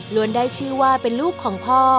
ได้ชื่อว่าเป็นลูกของพ่อ